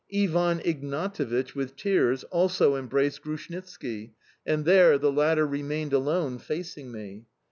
Ivan Ignatevich, with tears, also embraced Grushnitski, and there the latter remained alone, facing me.